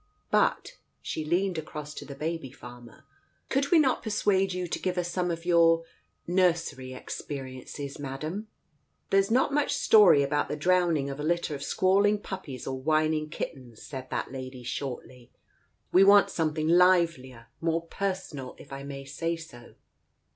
But "— she leaned across to the baby farmer — "could we not persuade you to give us some of your — nursery experiences, Madam?" "There's not much story about the drowning of a litter of squalling puppies or whining kittens," said that lady shortly, "we want something livelier — more per sonal, if I may say so.